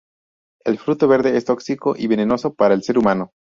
El fruto verde es tóxico y venenoso para el ser humano.